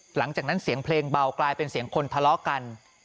หลังจากนั้นเสียงเพลงเบากลายเป็นเสียงคนทะเลาะกัน